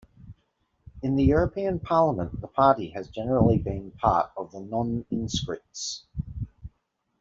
In the European Parliament, the party has generally been part of the Non-Inscrits.